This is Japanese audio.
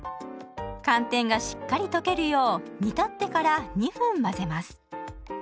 寒天がしっかり溶けるよう煮立ってから２分混ぜます。